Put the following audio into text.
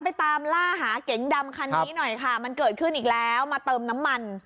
ไปตามล่าหาเก๋งดำคันนี้หน่อยค่ะมันเกิดขึ้นอีกแล้วมาเติมน้ำมัน